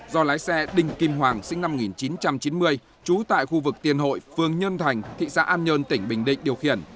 do lái xe đinh kim hoàng sinh năm một nghìn chín trăm chín mươi trú tại khu vực tiền hội phương nhân thành thị xã an nhơn tỉnh bình định điều khiển